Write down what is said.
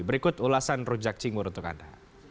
berikut ulasan rujak cingur untuk anda